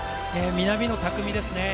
南野拓実ですね。